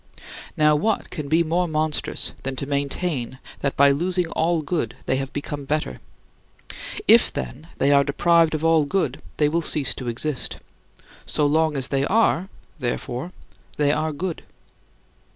Now what can be more monstrous than to maintain that by losing all good they have become better? If, then, they are deprived of all good, they will cease to exist. So long as they are, therefore, they are good.